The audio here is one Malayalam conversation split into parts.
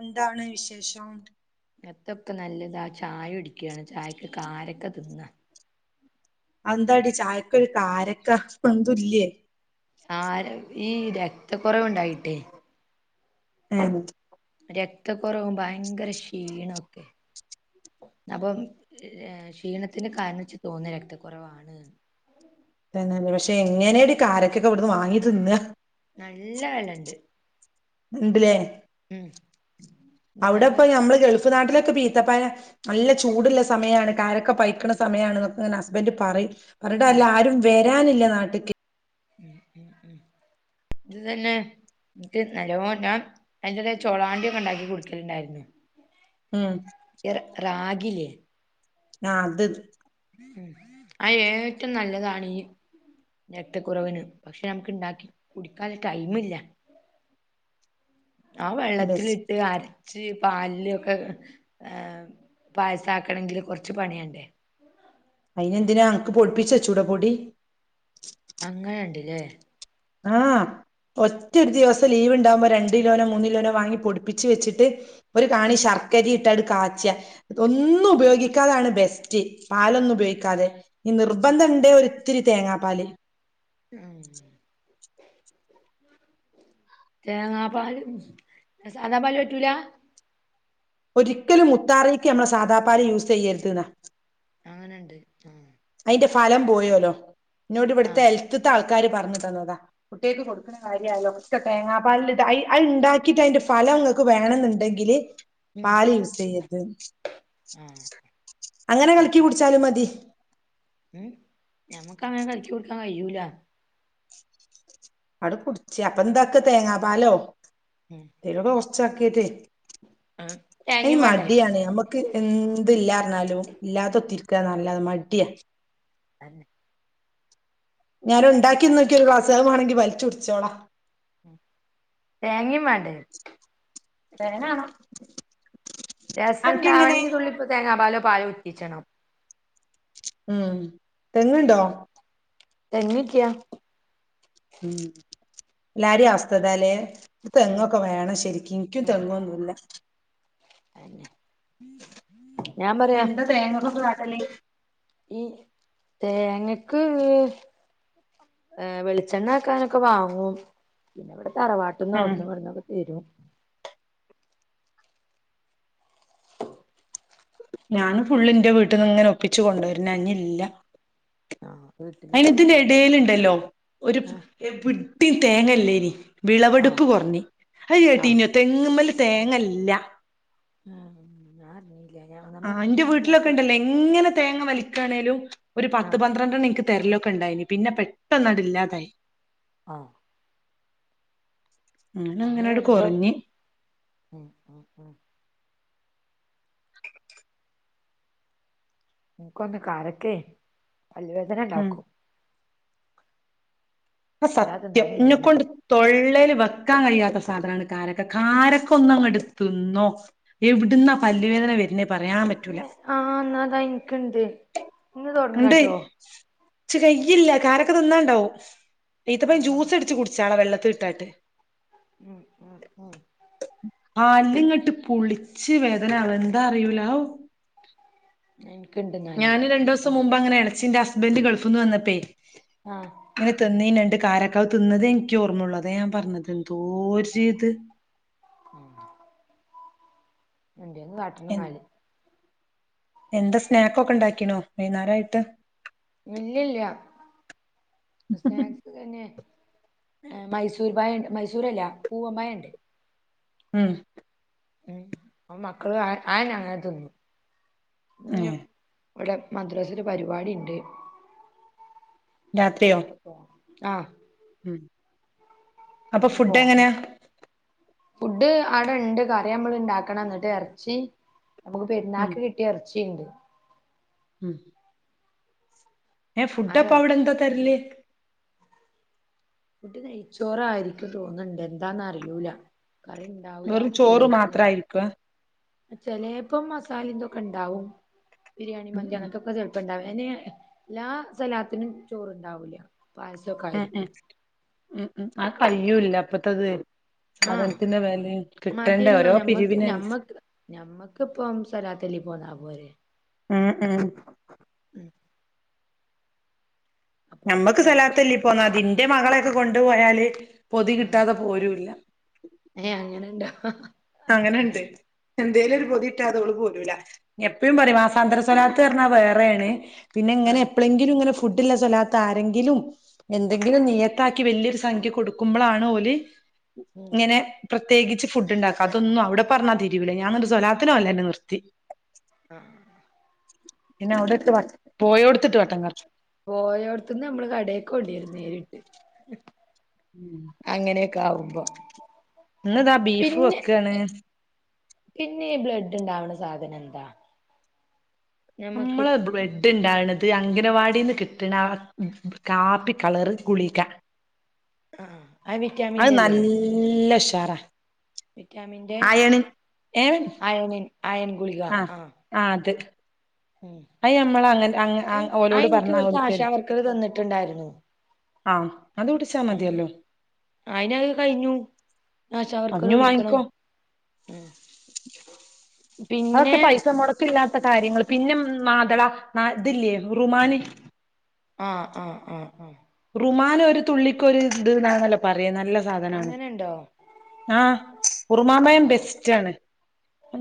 എന്താണ് വിശേഷം എത്തൊക്കെ നല്ലതാ ചായ കുടിക്കുകയാണ് ചായക്ക് കാരക്കെ തിന്നാ അന്താടി ചായക്കൊ ഒരു കാരക്ക എന്തും ഇല്ലേ ആഹ് ഈ രക്ത കുറവുണ്ടായിട്ടേ ഏഹ് രക്തക്കുറവും ഭയങ്കരം ക്ഷീണൊക്കെ അപ്പം ക്ഷീണത്തിന് കാരണം ഇച്ച് തോന്ന രക്തക്കുറവാണ് തന്നെയല്ലേ പക്ഷെ എങ്ങനെയടി കാരക്കൊക്കെ ഇവിടുന്ന് വാങ്ങി തിന്നാ നല്ല വെല ഇണ്ട് ഇണ്ട്ലേ ഉം ഇത് നല്ല അവിടെപ്പം ഞമ്മള് ഗൾഫ് നാട്ടിലൊക്കെ പീത്തപ്പയം നല്ല ചൂടുള്ള സമയമാണ് കാരൊക്കെ പയ്ക്കണ സമയാണ് എന്നൊക്കെ ഇങ്ങെ ഹസ്ബൻഡ് പറയും പറഞ്ഞിട്ട കാര്യം ഇല്ല ആഹ് ആരും വരാനില്ല നാട്ട്ക്ക് ഉം ഉം ഉം ഇത് തന്നെ എനിക്ക് നല്ലോ ഞാൻ. അതിന്റെ ഇടയിൽ ചോളാണ്ടി ഒക്കെ ഉണ്ടാക്കി കുടിക്കലുണ്ടായിരുന്നു ആഹ് റാഗി ഇല്ലേ ആഹ് അത് ഉം ആയ് ഏറ്റവും നല്ലതാണ് ഈ രക്ക്ത്തെ കുറവിന് പക്ഷെ നമുക്ക് ഇണ്ടാക്കി കുടിക്കാൻ ടൈമ് ഇല്ല ആഹ് ബെസ്റ്റ് വെള്ളത്തിലിട്ട് ആര രച്ച് പാല് ഒക്കെ പായസക്കണമെങ്കില് കുറച്ച് പണിമാണ്ടേ അയിനെന്തിനാ അനക്ക് പൊടിപ്പിച്ച് വെച്ചുടെ പൊടി അങ്ങനെ ഇണ്ട്ലെ? ആഹ് ഒറ്റൊരു ദിവസം ലീവ് ഇണ്ടാവുമ്പോ രണ്ട്കിലോനോ മൂന്നിലൊനോ വാങ്ങി പൊടിപ്പിച്ച് വെച്ചിട്ട് ഒര് കാണി ശർക്കരിം ഇട്ടട് കാച്ചാ ഒന്നും ഉപയോഗിക്കാതാണ് ബെസ്റ്റ് പാലൊന്നും ഉപയോഗിക്കാതെ ഇഞ്ഞ് നിർബന്ധം ഇണ്ടേ ഒരിത്തിരി തേങ്ങാപ്പാല് ആഹ് തേങ്ങാപാൽ സാദാപാല് പറ്റൂല ഒരിക്കലും മുത്താറീക്ക് ന്നമ്മൾ സാദാപാല് യൂസെയ്യര്ത് ന്നാ അങ്ങനെണ്ട് ആഹ് അയ്ന്റെ ഫലം പോയോലോ ഇന്നോട് ഇവട്ത്തെ ആഹ് ഹെൽത്ത്ത്തെ ആൾക്കാര് പറഞ് തന്നതാ കുട്ടിയാൾക്ക് കൊടുക്ക കാര്യാലോ ഒക്കെ തേങ്ങാപ്പാലിൽ അഹ് ഇണ്ടാക്കിട്ട് അയിന്റെ ഫലം ഇങ്ങക്ക് വേണംന്ന്ണ്ടെങ്കില് ഉം പാല് യൂസെയ്യരുത് ആഹ് അങ്ങനെ കലക്കി ഞമ്മ കുടിച്ചാലും മതി ഉം ഞമ്മക്ക് അങ്ങനെ കലക്കി കൊടുക്കാൻ കഴിയ്യൂല. അട് കുട്ച്ചഅപ്പൊ എന്താക്ക തേങ്ങാ പാലോ ഉം അല്ലെല് റോസ്റ്റാക്കിട്ടേയ് ആഹ് അയ്ന് തേങ്ങിം വേണ്ടേ മടിയാണ് ഞമ്മക് ക്ക് എന്ത് ഇല്ലാർഞ്ഞാലും ഇല്ലാതെ കുത്തിരിക്ക ന്നല്ലാതെ മടിയ അന്നെ ഞാൻ ഇണ്ടാക്കി നോക്കിയെന്നൊക്കി ഒരുക്ലാസ്സ്‌ അത് മാണെങ്കി വലിച്ച് കുടിച്ചോളാം തേങ്ങിമാണ്ടേ തേങ്ങാണം. രസം അനക്കെങ്ങനെ ഇണ്ടാവണെങ്കിൽ തുള്ളി തേങ്ങാ പാലോ പാലോ ഉറ്റിച്ചണം ഉം തെങ്ങ് ണ്ടോ തെങ്ങ്ല്ലാ ഉം എല്ലാരിം അവസ്ഥഇതാലേ തെങ്ങൊക്കെ വേണം ശെരിക്കും ഇൻക്കും തെങ്ങൊന്നുല്ല അതെന്നെ ഞാൻ പറയാ തേങ്ങക്കൊക്കെ കാട്ടല് ഈ തേങ്ങക്ക് ഏ വെളിച്ചെണ്ണ ആക്കാനൊക്കെ വാങ്ങും പിന്നെ ഇവിടെ തറവാട്ട്ന്നും ഉം ഔടുന്നു ഇവട്ന്നൊക്കെതെരും ഞാന് ഫുള്ളിന്റെ വീട്ടിൽന്ന് ഇങ്ങനെ ഒപ്പിച്ച് കൊണ്ട് വെര്ന ഇഞ്ഞില്ല ആഹ് വീട്ടില് അയ്ന് തന്നെ ഇതിന്റെ അവിടുന്ന് എടേൽണ്ടല്ലോ ഒരു ആഹ് എവ്വ്ടിം തേങ്ങഇല്ലേനി ആഹ് വിളവെടുപ്പ് കുറഞ് അഹ് ആഹ് കേട്ടിനോ തെങ്ങ്മ്മല് തേങ്ങല്ല ആഹ് ഞാനർ ഞ്ഞില്ല ആഹ് ഇന്റെ വീട്ടിലൊക്കെ ഇണ്ടല്ലോ എങ്ങനെ തേങ്ങ വലിക്കയാണേലും ഒര് പത്ത് ആഹ് പന്ത്രണ്ടെണ്ണനിക്ക് തെര്ലൊക്കെ ഇണ്ടായ്ന് പിന്നെ പെട്ടെന്ന് ന്നട് ഇല്ലാതായി. ആഹ് അങ്ങനെ ഞങ്ങള് അങ്ങനാണ്ട് വെരുമ്പം കൊറഞ്ഞ് ഉം ഉം ഉം മൂക്കൊന്ന് കാരക്കെ പല്ല് വേദന ഉം ഇണ്ടാക്കും അല്ലാതെ അസത്യം തിന്നാനും കഴിയില്ല ഇഞ്ഞക്കൊണ്ട് തൊള്ളേല് വെക്കാൻ കഴിയാത്ത സാധനാണ് കാരക്ക കാരക്ക ഒന്നങ്ങട്ട് തിന്നോ എവ്ട്ന്ന പല്ലുവേദന വെര്ണെ പറയാൻ പറ്റൂല. ആഹ് ഇന്നതാ ഇൻക്ക്ണ്ട് ഇന്ന് ഇണ്ട് തൊടങ്ങാട്ടോ ഇച്ച്കയ്യില്ല കാരൊക്ക തിന്നാഇണ്ടാവും. ഈത്തപ്പയം ആഹ് ജ്യൂസ് അടിച്ച് കുടിച്ചാള വെള്ളത്തി ഇട്ടാണ്ട് ഉം ഉം ഉം പല്ല് ഇങ്ങട്ട് പുളിച്ച് വേദനാവ എന്താ അറിയുല ഹോ അ ഇൻക്ണ്ട് ഞാന് രണ്ടുസ്സം മുമ്പ് അങ്ങനെ എളച്ചിന്റെ ഹസ്ബെന്റ ഗൾഫ്ന്ന് വന്നപ്പേ ആഹ് അങ്ങനെ തിന്നീന് രണ്ട് കാരക്കാതിന്നതേ എനിക്ക് ഓർ മ്മയുള്ളൂ അതാ ഞാൻ പറഞ്ഞത് എന്തോ ര് ത് ഉം എന്തെങ്കിലും കാട്ടണം എൻ ന്നാല് എന്താ സ്നാക്ക് ഒക്കെ ഉണ്ടാക്കീനോ വൈകുന്നേര ആയിട്ട് ഇല്ലില്ല സ്നാക്ക് തന്നെ മൈസൂർ പായണ്ട് മൈസൂരല്ല പൂവമ്പായ ണ്ട് ഉം ഉ അപ്പ മക്കള് ആഹ് ആയന്നെ അ ങ്ങ തിന്നും ഏ നി ഓരെ മദ്രസയിൽ പരിപാടിണ്ട് അപ്പ രാത്രിയോ അയിനൊക്ക പോണം ആഹ് ഉം അപ്പൊ അതിന് ഫുഡ് പോണം എങ്ങനെയാ ഫുഡ് അവിടെണ്ട് കറിയമ്മള് ഉണ്ടാക്കണം എന്നിട്ട് എറച്ചി നമ്മ ക്ക് ഉം പെരുന്നാക്ക് കി ട്ടിയ എറച്ചിണ്ട് ഉം ഏഹ് ആ ഫുഡപ്പ എർ അവിടെ എന്താ തരല് ഫുഡ്‌ നെയ്ച്ചോറ് ആയിരിക്കും തോന്നുണ്ട് എന്താന്നറിയൂല കറി വെറും ണ്ടാവൂലാന്ന് ചോറ് കേട്ടു ഞാൻ മാത്രായിരിക്കോ ചെലേപ്പം മസാലെ തൊക്കെ ഉണ്ടാവും ബിരിയാണി ഉം മന്തി ഉം അതൊക്കൊക്കെ ണ്ടാവൂല ഇനി എല്ലാ സ്വലാത്തിനും ചോറുണ്ടാവൂല്ല പായസ ങേഹ് ഉം ഉം ആ കഴിയൂല്ല അപ്പത്തത് ആഹ് സാധനത്തിന്റെ വെലയും കിട്ടേണ്ടി മതിയല്ലോ വരോ ഞമ്മക്ക് പിരിവിന് ഞമ്മക്ക് ഇപ്പം സ്വലാത്തൊല്ലി പോന്നാ പോരെ ഉം ഉം ഉം അപ്പം നമ്മക്ക് എറച്ചി സ്വലാത്തൊല്ലി പോന്നാമതി ന്റെ മകളെക്കെ കൊണ്ടു പോയാല് പൊതി ആഹ് കിട്ടാതെ പോരൂല ഏഹ് അങ്ങനെ ഉണ്ടോ അങ്ങനുണ്ട് എന്തേലും ഒരു പൊതി കിട്ടാതെ ഓള് പോരൂല എപ്പഴും പറയും വാ സാന്തര സ്വലാത്ത്ന്ന്‌ പറഞ്ഞാ വേറേണ് പിന്നെ ഇങ്ങനെ ആഹ് എപ്പോളെങ്കിലും ഇങ്ങനെ ഫുഡില്ലസ്വല്ലാത്ത് ആരെങ്കിലും എന്തെങ്കിലും നിയ്യത്താക്കി വല്ല്യൊ രു സംഖ്യ കൊടുക്കുമ്പൊളാണ് ഓല് ഉം ഇങ്ങനെ പ്രത്യേകിച്ച് ഫുഡ് ഉണ്ടാക്കും അതൊന്നും അവിടെ പറഞ്ഞാ തിരിയൂല ഞാനെന്നിട്ട് സ്വലാത്തിന് പൊവല്ലന്നെ നിർത്തി ആഹ് പിന്നെ അവിടെ ഇട്ട് വ പോയോടുത്തിട്ട് വട്ടം കറക്കും പോയോട്ത്ത്ന്ന് നമ്മള് കടേക്കോ ണ്ടിരും നേരിട്ട് ഉം അങ്ങനേക്കെ ആകുമ്പോ പിന്നെ ന്താണ് പിന്നെ ഈ ബ്ലഡ് ഉണ്ടാവണ സാധനം എന്താ ഞമ്മക്ക് നമ്മള ബ്ല ഡ്‌ണ്ടാകണത് അംഗനവാടിന്ന് കിട്ടണാ കാപ്പി കളറ് ഗുളിക ആഹ് അത് അത് വിറ്റാമിന്റെ അല്ലേ നല്ല ഉഷാറാ വിറ്റാമിന്റെ അയണ് ഏ അയണി ആയൺ ഗുളിക ആഹ് ആഹ് അത് ഉം അത് നമ്മൾ അങ്ങ ഓലോട് പറഞ്ഞാൽ ഓല് തരും ക്ക് അത് തന്നിട്ടുണ്ടായിരുന്നു ആഹ് അത് കുടിച്ചാ മതിയല്ലോ ആയിനത് കഴിഞ്ഞു ആശ വർക്കര് അഞ്ഞു വിളിക്കണം വാങ്ങിക്കോ ആഹ് പിന്നെ ഇതില്ലാത്ത കാര്യങ്ങള് പിന്നെ മാതള നാ ഇതില്ലേ ഉറുമാന് ആഹ് ആഹ് ആഹ് ആഹ്. റുമാനനൊരു തുള്ളിക്കൊരു ഇത് ന്നാണല്ലോ പറയാ നല്ല സാധനാണ്. അങ്ങനെണ്ടോ ആഹ് ഉറുമാൻ പഴം അള്ളാ ബെസ്റ്റാണ്.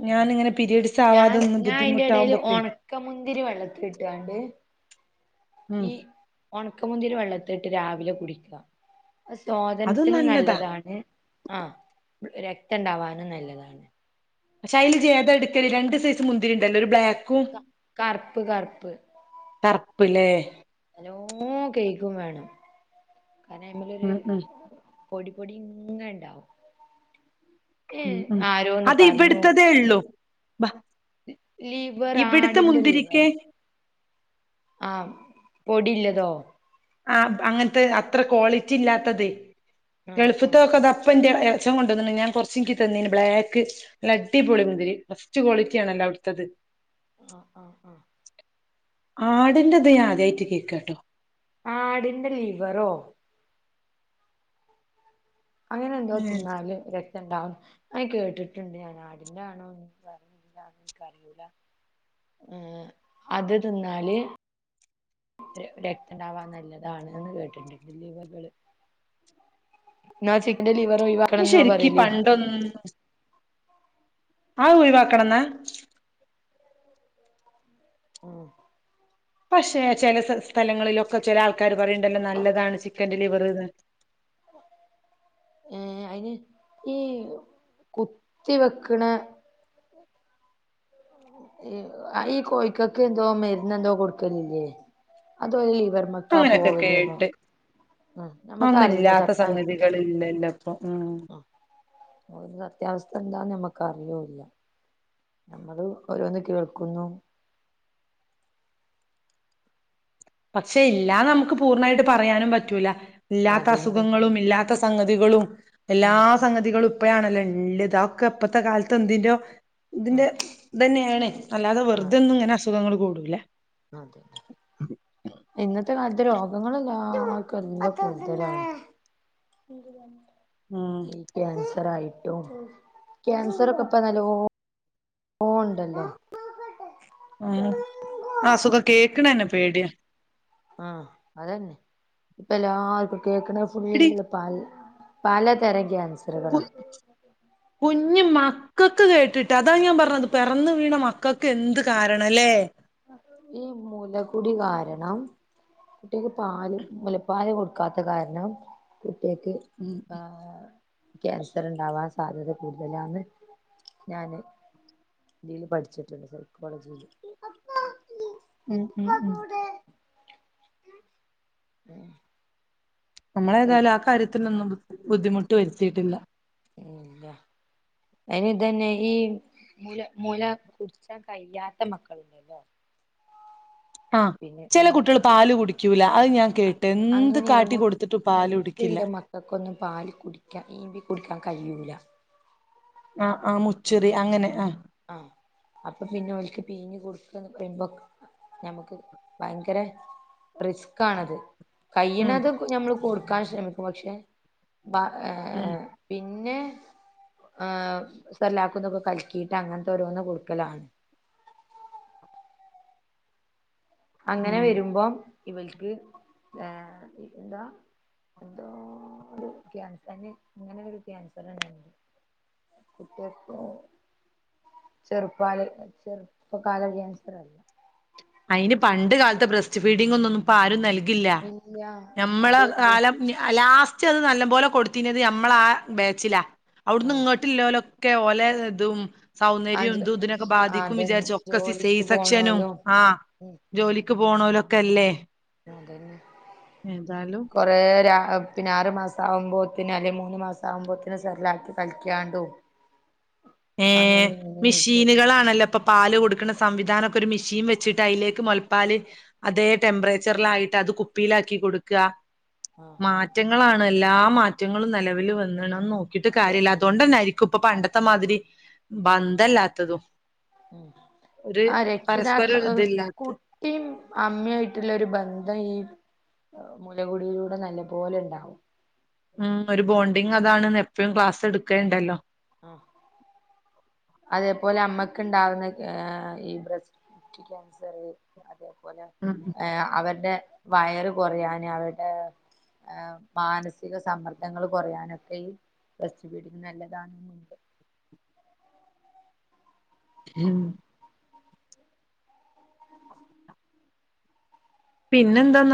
ഉം ഞാനിങ്ങനെ പിരീഡ്സ് ആവാതെ നിന്ന് ബുദ്ധിമുട്ടാവുമ്പൊക്കെ ക്ക മുന്തിരി വെള്ളത്തിലിട്ടാണ്ട് ഉം ഈ ഒണക്കമുന്തിരി വെള്ളത്തിട്ട്ലി രാവിലെ കുടിക്കാ അതും സ്വാദനത്തിനും നല്ലതാ നല്ലതാണ് ആഹ് ര രക്തണ്ടാവാനും നല്ലതാണ് ശൈലിച് ഏതാ എടുക്കല് രണ്ട് സൈസ് മുന്തിരിണ്ടല്ലോ ഒരു ബ്ലാക്ക് കര കറ്പ്പ് കറ്പ്പ് കറ്പ്പ് ലേ നല്ലോ കെഴുകും വേണം കാരണം അതിമെലൊര് ഉം ഉം പൊടി പൊടി ഇങ്ങനെ ഇണ്ടാവും. ഈ ആരോന്ന് പറഞ്ഞു അത്രേള്ളു. ലിവറ് ഇവിടുത്തെ ആടിന്റെ മുന്തിരിക്ക് ലിവറ് ആഹ് പൊടില്ലതോ ആഹ് അങ്ങൻത്തെ അത്ര ക്വാളിറ്റി ഇല്ലാത്തത് ആഹ് ആഹ് ആഹ് ഗൾഫ്തൊക്കെതാ ഇപ്പന്റെ എ എലച്ചൻ കൊണ്ടന്ന്ണ് ഞാൻ കൊറച്ചിൻക്ക് തന്നീനി ബ്ലാക്ക് നല്ല അടിപൊളി മുന്തിരി ഫസ്റ്റ് ക്വാളിറ്റിയാണല്ലോ അവ്ടുത്തത് ആഹ് ആഹ് ആഹ്. ആടിന്റെത് ഞാൻ ആദ്യായിട്ട് കേൾക്കാട്ടോ ആടിന്റെ ലിവറോ അങ്ങനെന്തോ ഉം ഇത് തിന്നാല് രക്തം ഇണ്ടാവും അങ്ങനെ കേട്ട്ട്ട്ണ്ട് ഞാന് ആടിന്റെ ആണോ എന്താ എന്താണ് എനിക്കറിയൂലാ ഏഹ് അത് തിന്നാല് ര രക്തണ്ടാവാൻ നല്ലതാണ്ന്ന് കേട്ടിട്ട്ണ്ട് ലിവറ്കള് ഇന്നാ ചിക്കന്റെ ലിവർഓഴിവാ ഈ ശെരിക്ക് പണ്ടൊന്നും അത് ഒഴിവാക്കണം ന്നാ ഹ്മ്മ് പക്ഷെ ചെല സ്ഥ സ്ഥലങ്ങളിലൊക്കെ ചെല ആൾക്കാര് പറയ്ണ്ടല്ലോ നല്ലതാണ് ചിക്കന്റെ ലിവറ്ന്ന് ഏഹ് അയിന് ഈ കുത്തി വെക്ക്ണെ ആഹ് ഈ കോഴിക്കൾക്കെന്തോ മരുന്നെന്തോ കൊടുക്കലില്ലേ അതോല് ലിവർമ ക്കാ പോവല് ന്നോ അതൊന്നും ഇല്ലാത്ത സത്യാവ സംഗതികള് ഇല്ലല്ലോ ഇപ്പം ആഹ് ഒലെ സത്യാവസ്ഥ എന്താ നമ്മക്ക് അറിയൂല നമ്മള് ഓരോന്ന് കേൾക്കുന്നു. പക്ഷെ ഇല്ലാന്ന് നമുക്ക് പൂർണ്ണായിട്ട് പറയാനും പറ്റൂല ഇല്ലാത്ത അതുകൊണ്ട് അസുഖങ്ങളും ഇല്ലാ ത്ത സംഗതികളും എല്ലാ ഉം ഉം സംഗതികളും ഇപ്പഴാണല്ലോ ഇല്ലത് അതൊക്കെ ഇപ്പത്തെ കാലത്തെ എന്തിന്റൊ ഉം ഇതിന്റെ ഇതന്നെയേണ് അല്ലാതെ വെറുതെന്നും ഇങ്ങനെ അസുഖങ്ങള് കൂടൂലാ. അതെ. ഇന്നത്തെ കാലത്ത് രോഗങ്ങള് എല്ലർക്കും [unintelligible] കൂടുതലാണ് ഉം ഈ ക്യാൻസർയിട്ടും ക്യാൻസർ ഒക്കെ ഇപ്പ നല്ലോ ഓ ഇണ്ടല്ലോ ഉം ആഹ് അസുഖം കേൾക്ക്ണെന്നെ പേടിയ ആഹ് അതെന്നെ ഇപ്പ എല്ലാർക്കും കേക്ക്ണെ ഫുള്ള് എടി പൽ പലതര ക്യാൻസറുകളാ കുഞ്മ ക്കക്ക് കേട്ടിട്ട് അതാ ഞാൻ പറഞ്ഞത് പെറന്ന് വീണ മക്കക്ക് എന്ത് കാരണംല്ലേ ഈ മുലകുടി കാരണം കുട്ട്യേക്ക് പാല് മുലപ്പാൽ കൊടുക്കാത്ത കാരണം കുട്ട്യേക്ക് ഉം ആഹ് ക്യാൻഷർ ഇണ്ടാവാൻ സാധ്യത കൂടുതലാന്ന് ഞാന് തീല് പഠിച്ചിട്ടുണ്ട് സൈക്കോളജീല്. ഉം ഉം ഉം ഉം നമ്മളേതായാലും ആ കാര്യത്തിനൊന്നും ബുദ്ധിമുട്ട് വരുത്തിയിട്ടില്ല. ഇല്ല അയ്നിതന്നെ ഈ മുല മുല കുടിച്ചാൻ കയ്യാത്ത മക്കള്ണ്ടല്ലോ ആഹ് ചെല കുട്ട്യേള് പാല് കുടിക്കൂല അത് ഞാൻ കേ ട്ടെന്ത് കാട്ടി കൊടുത്ത്ട്ടും പാല് കുടിക്കില്ല. ഇവക്കൊന്നും പാല് കുടിക്ക ഈമ്പി കുടിക്കാൻ കയ്യൂല്ല. ആഹ് ആഹ് മുച്ഛിറി അങ്ങനെ ആഹ് ആഹ് അപ്പൊ പിന്നെ ഓൽക്ക് പീഞ്ഞ് കൊടുക്കാന്ന് പറയുമ്പോ ഞമ്മക്ക് ഭയങ്കര റിസ്ക്കാണത്. ഉം കയ്യിണതും ഞമ്മൾ കൊടുക്കാൻ ശ്രമിക്കും പക്ഷെ ബ ഉം ഏഹ് പിന്നെ ഏഹ് സെർലാക്കുതൊക്കെ കലിക്കീട്ട് അങ്ങൻത്തോരോന്ന് കൊടുക്കലാണ്. അങ്ങനെ ഉം വരുമ്പം ഇവൽക്ക് ഏഹ് പിന്നെന്താ എന്തോ ഒരു ക്യാൻസന് ഇങ്ങനൊരു ക്യാൻസർ ഇണ്ടാവ്ണ്ട്. കുട്ട്യാക്കോ ചെറുപ്രായ ചെറുപ്പക്കാല ക്യാൻസററിം അയിന് പണ്ട് കാല്ത്തെ ബ്രസ്റ്റ് ഫീഡിങ്ങൊന്നും ഇപ്പ ആരും നൽകില്ല. ഇല്ല ഞമ്മളെ അതുണ്ട് കാലം ലാസ്റ്റത് നല്ല പോലെ കൊടുത്തീനത് നമ്മളാ ബേച്ചിലാ. അവ്‌ട്ന്ന് ആഹ് ഇങ്ങട്ട്ല്ലോലൊ ക്കെ ഓലെ ഇതും സൗന്ദര്യും ആഹ് ഇതും ഇതിനൊക്കെ ബാധിക്കും അതന്നെ വിചാരിച്ചു ഒക്കെ സി സെയ് ജോലിക്ക് സെക്ഷനും. പോണോലും ആഹ് ഉം ജോലിക്ക് പോണോലൊക്കല്ലേ? അതെന്നെ കൊ റേ ആ പിന്നാറ് മാസം ആവുമ്പോത്തിന് അല്ലെ മൂന്ന് മാസം ആവുമ്പോത്തിന് സെർലാക്ക് കൽക്കിക്കാണ്ടും ഏഹ് ഇങ്ങനെയിട്ട് മിഷീന്കളാണല്ലോപ്പം പാല് കൊടുക്കുന്ന സംവിധാനൊക്കെ ഒരു മിഷീൻ വെച്ചിട്ട് അയിലേക്ക് മൊലപ്പാല് അതേ ടെമ്പ്റേച്ചറിലായിട്ട് അത് കുപ്പിയിലാക്കി കൊടുക്ക. ആഹ് ആഹ് മാറ്റങ്ങളാണ് എല്ലാ മാറ്റങ്ങളും നെലവിൽ വന്ന്ണ് അതൊന്നു നോക്കിട്ട് കാര്യല്ല അതന്നെ അതോണ്ടെന്നായിരി ക്കു ഇപ്പ പണ്ടത്തെ മാതിരി ബന്ധല്ലാത്തതും. ഉം ഒരു ആഹ് രക്ഷിതാക്ക പരസ്പരം ഒരു ഇതില്ലാത്ത കു ട്ടിം അമ്മേയിറ്റുള്ളൊരു ബന്ധം ഈ ഏഹ് മുലകുടിയിലൂടെ നല്ലപോലെ ഇണ്ടാവും. ഉം ഒരു ബോണ്ടിങ്ങതാണ്ന്ന് എപ്പഴും ക്ലാസ്സെടുക്കലുണ്ടല്ലോ. ആഹ് അതേപോലെ അമ്മക്ക്ണ്ടാവുന്ന കെ ഏഹ് ഈ ബ്രസ്റ്റ് ക്യാൻസറ് അതേപോലെ ഉം ഏഹ് അവര്ടെ വയറ് കൊറയാന് അവര്ടെ ഏഹ് മാനസിക സമ്മർദ്ദങ്ങൾ കൊറയാനൊക്കെ ഈ ബ്രസ്റ്റ് ഫീഡിങ്ങ് നല്ലതാന്ന്ണ്ട്. ഉം പിന്നെന്താ നൽ